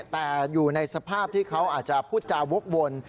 แต่อยู่ในสภาพที่เขาอาจจะพูดจาวกวน